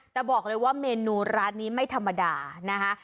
แต่บอกเลยว่าเมนูร้านนี้ไม่ธรรมดานะคะ